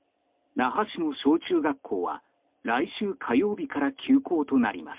那覇市の小中学校は来週火曜日から休校となります。